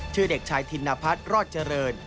ชื่อเด็กชายถิ่นนพัฒน์รอดเจริญ